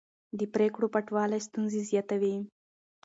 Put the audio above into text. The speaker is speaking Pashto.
د پرېکړو پټوالی ستونزې زیاتوي